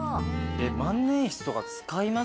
万年筆とか使います？